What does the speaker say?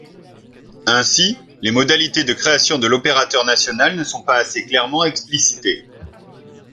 Ainsi, les modalités de création de l’opérateur national ne sont pas assez clairement explicitées.